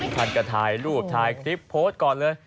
ท่านก็ถ่ายรูปถ่ายคลิปโพสต์ก่อนเลย